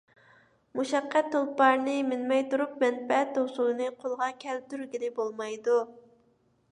مۇشەققەت تۇلپارىنى مىنمەي تۇرۇپ مەنپەئەت ھوسۇلىنى قولغا كەلتۈرگىلى بولمايدۇ.